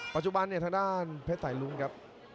ปัจจุบันเนี่ยทางด้านเพชรสายลุ้งครับ